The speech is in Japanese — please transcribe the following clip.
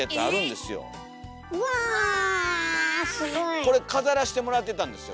すごい！これ飾らせてもらってたんですよ